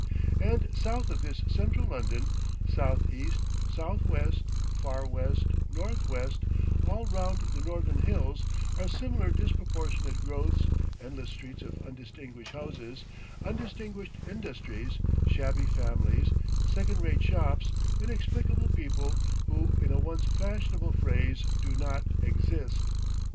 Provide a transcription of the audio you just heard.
And south of this central London, south east, south west, far west, north west, all round the northern hills, are similar disproportionate growths, endless streets of undistinguished houses, undistinguished industries, shabby families, second rate shops, inexplicable people who in a once fashionable phrase do not "exist."